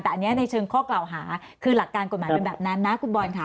แต่อันนี้ในเชิงข้อกล่าวหาคือหลักการกฎหมายเป็นแบบนั้นนะคุณบอลค่ะ